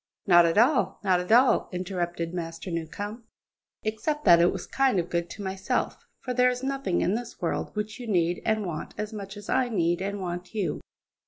"Not at all, not at all," interrupted Master Newcombe, "except that it was kind and good to myself; for there is nothing in this world which you need and want as much as I need and want you."